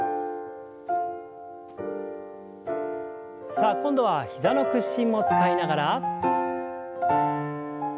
さあ今度は膝の屈伸も使いながら。